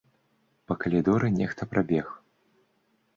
Па калідоры нехта прабег.